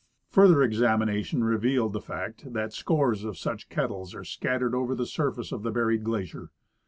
Further examination revealed the fact tliat scores of such kettles are scattered over the surface of the l:)uried glacier.